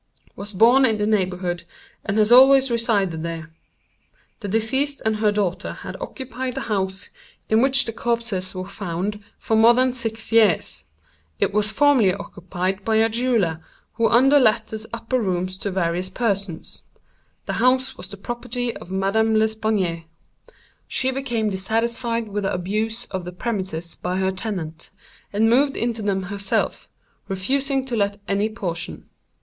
Was born in the neighborhood, and has always resided there. The deceased and her daughter had occupied the house in which the corpses were found, for more than six years. It was formerly occupied by a jeweller, who under let the upper rooms to various persons. The house was the property of Madame L. She became dissatisfied with the abuse of the premises by her tenant, and moved into them herself, refusing to let any portion.